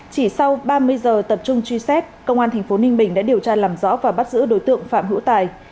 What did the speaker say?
chỉ sau ba mươi giờ tập trung truy xét công an tp ninh bình đã điều tra làm rõ và bắt giữ đối tượng phạm hữu tài